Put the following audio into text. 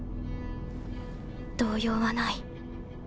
動揺はない